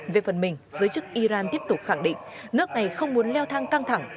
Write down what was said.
về phần mình giới chức iran tiếp tục khẳng định nước này không muốn leo thang căng thẳng